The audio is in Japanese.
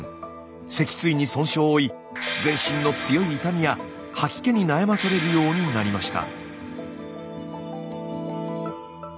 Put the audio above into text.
脊椎に損傷を負い全身の強い痛みや吐き気に悩まされるようになりました。